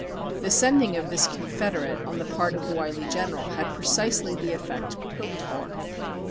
The sending of this confederate on the part of the wily General had precisely the effect hoped for.